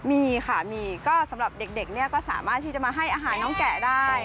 มีค่ะมีก็สำหรับเด็กเนี่ยก็สามารถที่จะมาให้อาหารน้องแกะได้